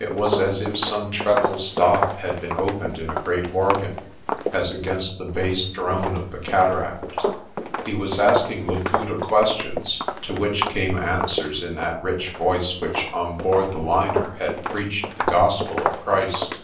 It was as if some treble stop had been opened in a great organ, as against the bass drone of the cataract. 136 PRESTER JOHN He was asking Laputa questions, to which came answers in that rich voice which on board the liner had preached the gospel of Christ.